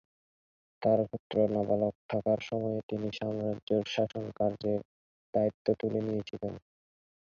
তার পুত্র নাবালক থাকার সময়ে তিনি সাম্রাজ্যের শাসন কার্যের দায়িত্ব তুলে নিয়েছিলেন।